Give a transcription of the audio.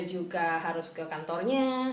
juga harus ke kantornya